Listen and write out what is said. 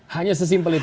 hanya sesimpel itu